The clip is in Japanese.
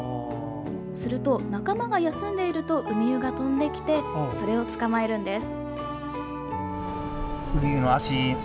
すると、仲間が休んでいるとウミウが飛んできてそれを捕まえるんです。